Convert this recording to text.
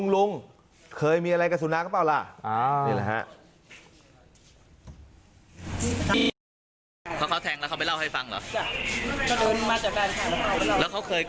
ลุงเคยมีอะไรกับสุนัขหรือเปล่าล่ะ